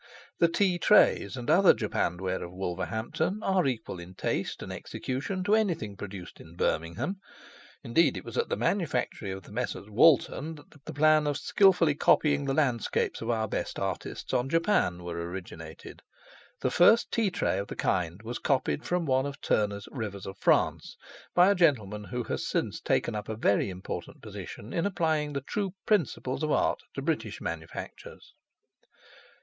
The tea trays, and other japanned ware of Wolverhampton, are equal in taste and execution to anything produced in Birmingham; indeed, it was at the manufactory of the Messrs. Walton that the plan of skilfully copying the landscapes of our best artists on japan were originated. The first tea tray of the kind was copied from one of Turner's Rivers of France, by a gentleman who has since taken up a very important position in applying the true principles of art to British manufactures.